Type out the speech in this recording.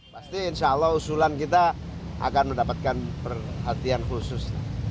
pasti insya allah usulan kita akan mendapatkan perhatian khusus